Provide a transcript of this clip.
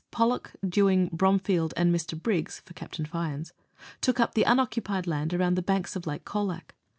Pollock, Dewing, Bromfield, and Mr. Briggs (for Capt. Fyans) took up the unoccupied land around the banks of Lake Colac.